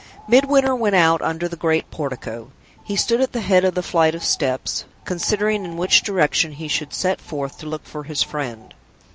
Midwinter went out under the great portico. He stood at the head of the flight of steps considering in which direction he should set forth to look for his friend.